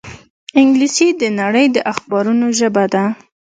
انګلیسي د نړۍ د اخبارونو ژبه ده